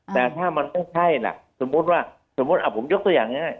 แต่ถ้ามันไม่ใช่ล่ะสมมุติว่าสมมุติผมยกตัวอย่างง่าย